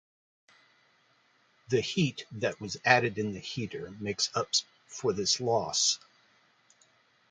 The heat that was added in the heater makes up for this loss.